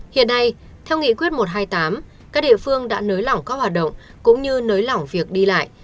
hiện nay theo nghị quyết một trăm hai mươi tám các địa phương đã nới lỏng các hoạt động cũng như nới lỏng việc đi lại